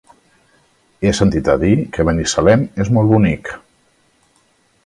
He sentit a dir que Binissalem és molt bonic.